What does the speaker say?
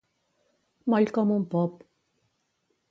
Moll com un pop.